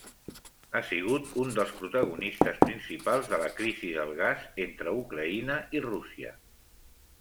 Ha sigut un dels protagonistes principals de la Crisi del gas entre Ucraïna i Rússia.